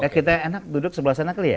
kita enak duduk sebelah sana kali ya